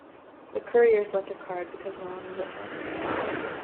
The couriers left a card because no one was at home.